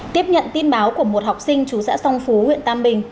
tiếp nhận tin báo của một học sinh chú xã song phú huyện tam bình